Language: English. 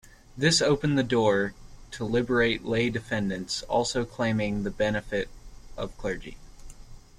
This opened the door to literate lay defendants also claiming the benefit of clergy.